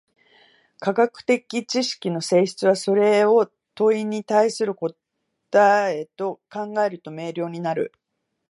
科学的知識の性質は、それを問に対する答と考えると明瞭になる。